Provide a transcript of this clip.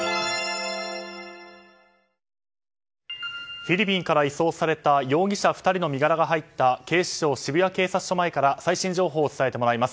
フィリピンから移送された容疑者２人の身柄が入った警視庁渋谷警察署前から最新情報を伝えてもらいます。